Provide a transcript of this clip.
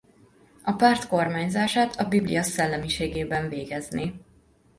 A párt kormányzását a Biblia szellemiségében végezné.